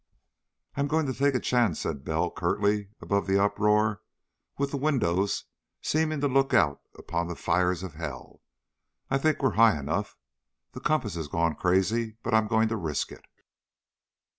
"I'm going to take a chance," said Bell curtly above the uproar, with the windows seeming to look out upon the fires of hell. "I think we're high enough. The compass has gone crazy, but I'm going to risk it."